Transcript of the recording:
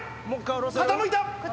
傾いた。